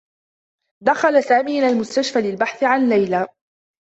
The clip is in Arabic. دخل سامي إلى المستشفى للبحث عن ليلى.